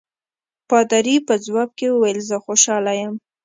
پادري په ځواب کې وویل زه خوشاله یم.